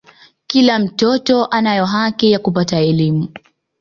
kila mtoto anayo haki ya kupata elimu